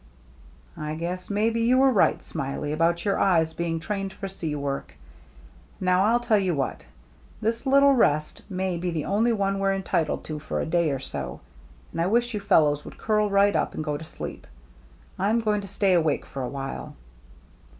" I guess maybe you were right. Smiley, about your eyes being trained for sea work. Now, ril tell you what. This little rest may be the only one we're entitled to for a day or so, and I wish you fellows would curl right up and go to sleep. I'm going to stay awake for a while.